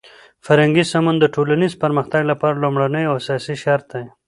فرهنګي سمون د ټولنیز پرمختګ لپاره لومړنی او اساسی شرط دی.